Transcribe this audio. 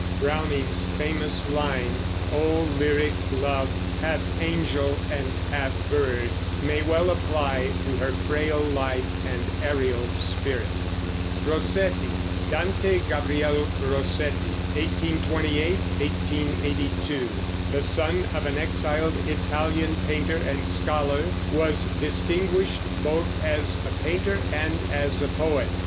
Browning's famous line, "O lyric love, half angel and half bird," may well apply to her frail life and aerial spirit. ROSSETTI. Dante Gabriel Rossetti (1828 1882), the son of an exiled Italian painter and scholar, was distinguished both as a painter and as a poet.